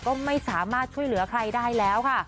ก็ไม่สามารถช่วยเหลือใครได้แล้วค่ะ